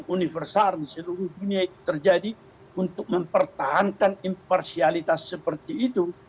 universal di seluruh dunia itu terjadi untuk mempertahankan imparsialitas seperti itu